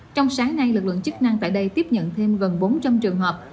trong sáng nay lực lượng chức năng tại đây tiếp nhận thêm gần bốn trăm linh trường hợp